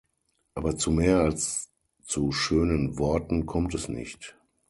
Aber zu mehr als zu schönen Worten kommt es nicht.